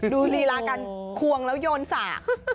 รีลาการควงแล้วโยนสาก